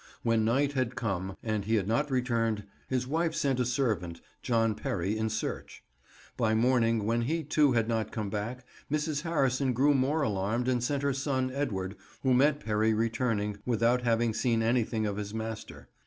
When night had come and he had not returned, his wife sent a servant, John Perry, in search. By morning, when he too had not come back, Mrs. Harrison grew more alarmed and sent her son, Edward, who met Perry returning, without having seen anything of his master.